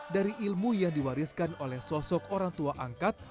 dari ilmu yang diwariskan oleh sosok orang tua angkat